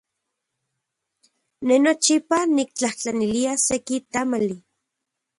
Ne nochipa niktlajtlanilia seki tamali.